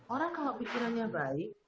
orang kalau pikirannya baik